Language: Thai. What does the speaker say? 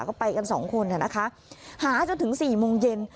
ก็ไปกันสองคนนะคะหาจนถึง๔โมงเย็น